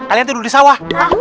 kalian tidur di sawah